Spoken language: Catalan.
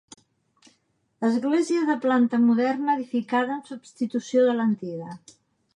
Església de planta moderna edificada en substitució de l'antiga.